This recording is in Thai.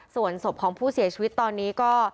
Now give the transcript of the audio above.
ส่วนศพของผู้เสียชีวิตตอนนี้ก็